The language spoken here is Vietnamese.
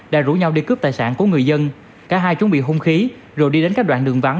đã rủ nhau đi cướp tài sản của người dân cả hai chuẩn bị hung khí rồi đi đến các đoạn đường vắng